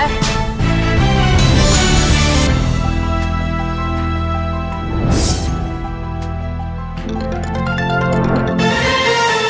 สวัสดีครับ